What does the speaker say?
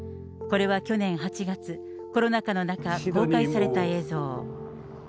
これは去年８月、コロナ禍の中、公開された映像。